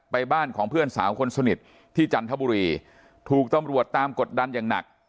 บ้านของเพื่อนสาวคนสนิทที่จันทบุรีถูกตำรวจตามกดดันอย่างหนัก